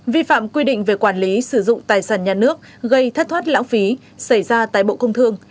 vi phạm quy định về quản lý sử dụng tài sản nhà nước gây thất thoát lãng phí xảy ra tại bộ công thương